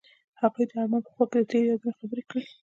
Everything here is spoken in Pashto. هغوی د آرمان په خوا کې تیرو یادونو خبرې کړې.